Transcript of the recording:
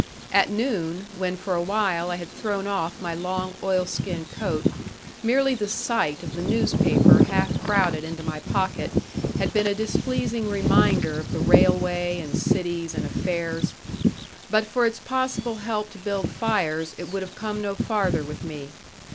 At noon, when for a while I had thrown off my long oilskin coat, merely the sight of the newspaper half crowded into my pocket had been a displeasing reminder of the railway, and cities, and affairs. But for its possible help to build fires, it would have come no farther with me.